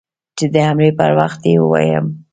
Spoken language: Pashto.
چې د حملې پر وخت يې ووايم.